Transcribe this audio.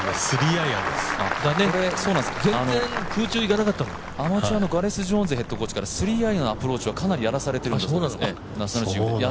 アマチュアのガレス・ジョーンズヘッドコーチから３アイアンはかなりやらされているそうです。